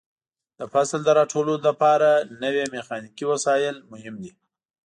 د فصل د راټولولو لپاره نوې میخانیکي وسایل مهم دي.